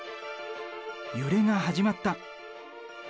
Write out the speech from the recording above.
揺れが始まった。